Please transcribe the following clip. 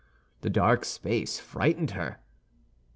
The dark space frightened her.